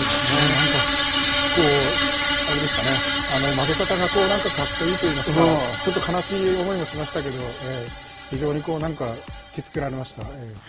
なんか、あれでしたね、負け方がなんかかっこいいといいますか、ちょっと悲しい思いもしましたけど、非常に引き付けられました。